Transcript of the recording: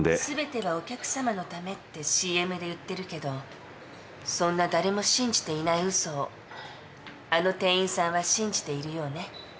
「全てはお客様の為」ってＣＭで言ってるけどそんな誰も信じていないウソをあの店員さんは信じているようね。